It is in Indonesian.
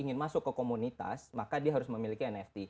ingin masuk ke komunitas maka dia harus memiliki nft